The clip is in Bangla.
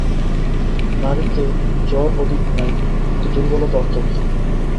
নাড়িতে জ্বর অধিক নাই, কিন্তু দুর্বলতা অত্যন্ত।